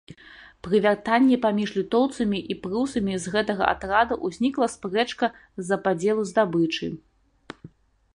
Пры вяртанні паміж літоўцамі і прусамі з гэтага атраду ўзнікла спрэчка з-за падзелу здабычы.